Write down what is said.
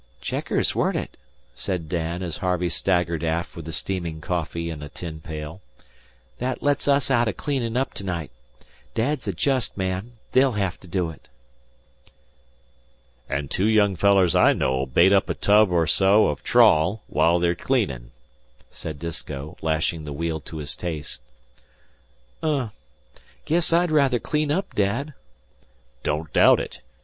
"Checkers, weren't it?" said Dan, as Harvey staggered aft with the steaming coffee in a tin pail. "That lets us out o' cleanin' up to night. Dad's a jest man. They'll have to do it." "An' two young fellers I know'll bait up a tub or so o' trawl, while they're cleanin'," said Disko, lashing the wheel to his taste. "Um! Guess I'd ruther clean up, Dad." "Don't doubt it.